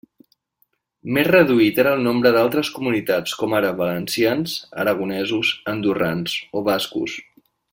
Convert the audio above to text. Més reduït era el nombre d'altres comunitats com ara valencians, aragonesos, andorrans o bascos.